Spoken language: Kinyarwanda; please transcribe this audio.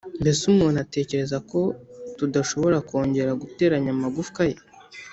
mbese umuntu atekereza ko tudashobora kongera guteranya amagufwa ye?